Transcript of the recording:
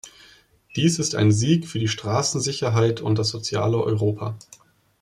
Dies ist ein Sieg für die Straßensicherheit und das soziale Europa.